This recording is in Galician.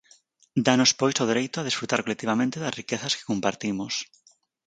Dános pois o dereito a desfrutar colectivamente das riquezas que compartimos.